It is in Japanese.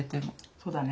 そうだね。